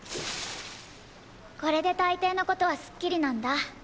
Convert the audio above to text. これで大抵の事はすっきりなんだ。